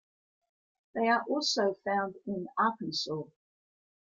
They are also found in Arkansas.